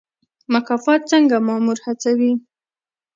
مکافات څنګه مامور هڅوي؟